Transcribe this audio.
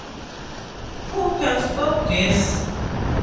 Who can stop this?